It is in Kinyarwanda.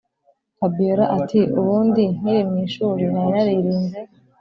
fabiora ati”ubundi nkiri mu ishuri nari naririnze